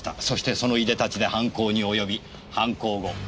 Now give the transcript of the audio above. そしてそのいでたちで犯行に及び犯行後。